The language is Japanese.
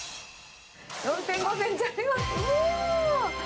４．５センチあります。